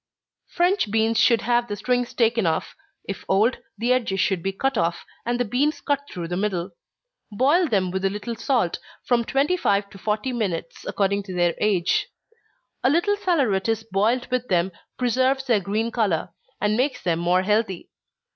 _ French beans should have the strings taken off if old, the edges should be cut off, and the beans cut through the middle. Boil them with a little salt, from twenty five to forty minutes, according to their age. A little saleratus boiled with them preserves their green color, and makes them more healthy.